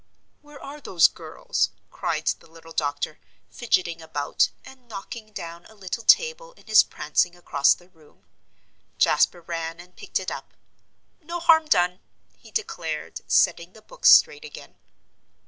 "Where are those girls?" cried the little doctor, fidgeting about, and knocking down a little table in his prancing across the room. Jasper ran and picked it up. "No harm done," he declared, setting the books straight again.